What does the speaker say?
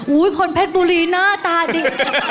คนเพชรบุรีหน้าตาดี